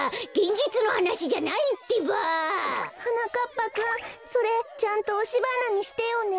ぱくんそれちゃんとおしばなにしてよね。